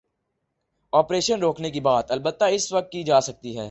Operation روکنے کی بات، البتہ اسی وقت کی جا سکتی ہے۔